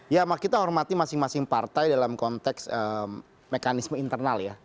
ya kita hormati masing masing partai dalam konteks mekanisme internal ya